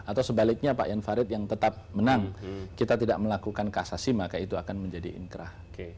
atau sebaliknya pak jan farid yang tetap menang kita tidak melakukan kasasi maka itu akan menjadi inkrah